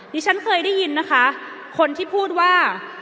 ดิฉันเคยได้ยินนะคะคนที่พูดว่า